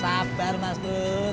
sabar mas pur